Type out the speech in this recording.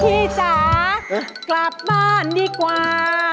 พี่จ๋ากลับบ้านดีกว่า